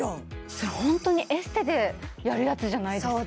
それホントにエステでやるやつじゃないですか？